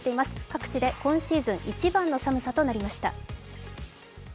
各地で今シーズン一番の寒さとなりました。